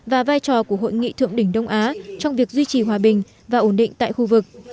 và vai trò của hội nghị thượng đỉnh đông á trong việc duy trì hòa bình và ổn định tại khu vực